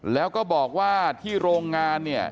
แล้วก็บอกว่าที่โรงงานเนี่ย